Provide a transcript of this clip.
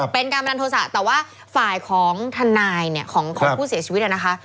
เป็นการบันดาลโทษะแต่ว่าฝ่ายของทนายเนี่ยของผู้เสียชีวิตนะคะ